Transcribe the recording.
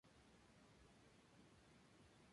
Con la participación de la Dra.